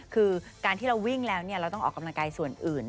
คือการที่เราวิ่งแล้วเราต้องออกกำลังกายส่วนอื่น